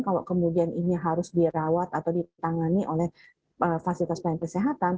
kalau kemudian ini harus dirawat atau ditangani oleh fasilitas pelayanan kesehatan